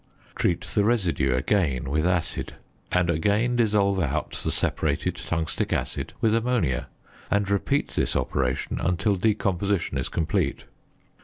Treat the residue again with acid, and again dissolve out the separated tungstic acid with ammonia, and repeat this operation until decomposition is complete.